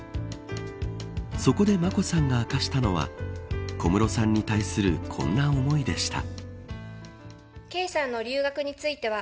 そこで眞子さんが明かしたのは小室さんに対するこんな思いでした。